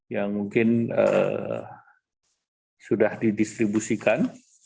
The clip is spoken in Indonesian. yang mungkin sudah didistribusikan